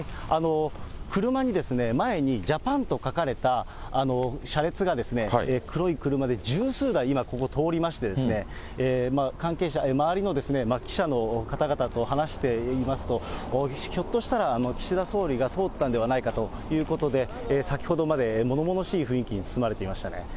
車に、前にジャパンと書かれた車列が、黒い車で十数台、今ここ通りまして、関係者、周りの記者の方々と話していますと、ひょっとしたら、岸田総理が通ったんではないかということで、先ほどまでものものしい雰囲気に包まれていましたね。